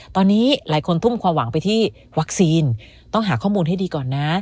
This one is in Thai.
ตอนนี้หลายคนทุ่มความหวังไปที่วัคซีนต้องหาข้อมูลให้ดีก่อนนะ